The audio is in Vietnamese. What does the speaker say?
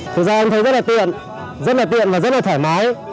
thực ra em thấy rất là tiện rất là tiện và rất là thoải mái